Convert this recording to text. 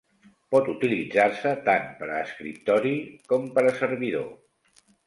Pot utilitzar-se tant per a escriptori com per a servidor.